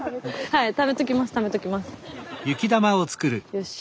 よし！